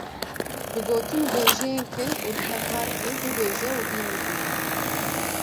bi gotin û bêjeyên kin û li hevhatî bibêje û bîne ziman.